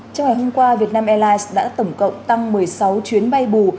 trong ngày hôm qua vietnam airlines đã tổng cộng tăng một mươi sáu chuyến bay bù